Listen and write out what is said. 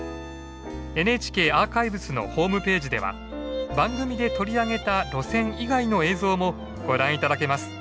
ＮＨＫアーカイブスのホームページでは番組で取り上げた路線以外の映像もご覧頂けます。